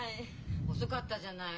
遅かったじゃない。